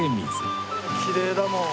きれいだもん。